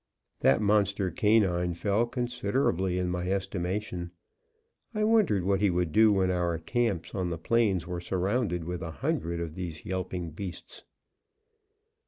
That monster canine fell considerably in my estimation. I wondered what he would do when our camps on the plains were surrounded with a hundred of these yelping beasts.